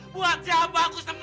buat siapa aku sembuh